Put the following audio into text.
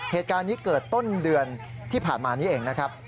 เหตุการณ์นี้เกิดต้นเดือนที่ผ่านมานี้เองนะครับ